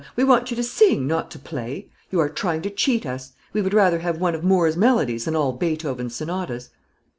We want you to sing, not to play. You are trying to cheat us. We would rather have one of Moore's melodies than all Beethoven's sonatas."